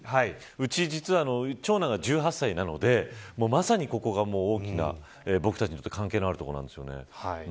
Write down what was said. うち、実は長男が１８歳なのでまさに、ここが大きな僕たちにとって関係のあるところなんでしょうね。